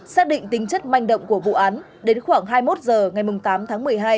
xác định tính chất manh động của vụ án đến khoảng hai mươi một h ngày tám tháng một mươi hai